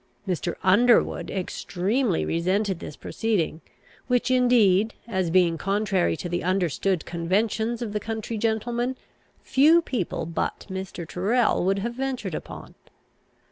Mr. Underwood extremely resented this proceeding, which indeed, as being contrary to the understood conventions of the country gentlemen, few people but Mr. Tyrrel would have ventured upon.